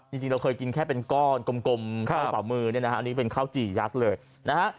จริงเราเคยกินแค่เป็นก้อนกลมเท่าฝ่ามือเนี่ยนะฮะอันนี้เป็นข้าวจี่ยักษ์เลยนะฮะ